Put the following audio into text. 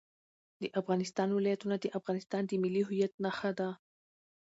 د افغانستان ولايتونه د افغانستان د ملي هویت نښه ده.